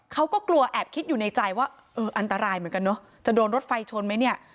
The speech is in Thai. เขาก็กลัวแอบคิดอยู่ในใจว่าเอออันตรายเหมือนกันเนอะจะโดนรถไฟชนไหมเนี่ย